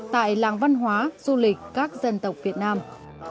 tại làng văn hóa du lịch các dân tộc việt nam